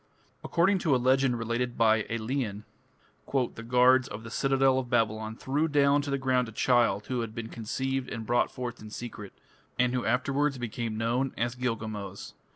According to a legend related by Aelian, "the guards of the citadel of Babylon threw down to the ground a child who had been conceived and brought forth in secret, and who afterwards became known as Gilgamos".